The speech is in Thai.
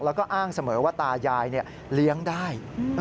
แล้วก็อ้างเสมอว่าตายายเลี้ยงได้